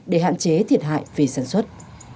để hạn chế thiệt hại về sản xuất